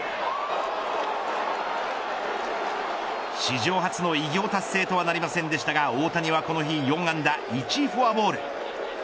史上初の偉業達成とはなりませんでしたが、大谷はこの日４安打１フォアボール。